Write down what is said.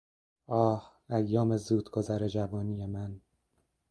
آه! ایام زودگذر جوانی من!